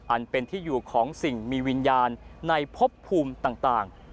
อันเป็นที่อยู่ของสิ่งมีวิญญาณในพบภูมิต่าง